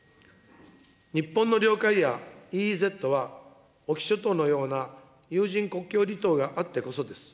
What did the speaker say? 日本の領海やＥＥＺは、隠岐諸島のような有人国境離島があってこそです。